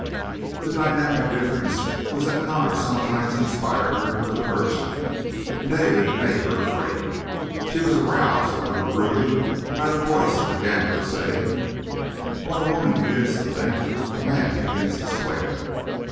The dynamic difference was that Connor sometimes inspired her with aversion, and David made her afraid. She was roused out of her brooding by the voice of the gambler saying: "When a woman begins to think, a man begins to swear."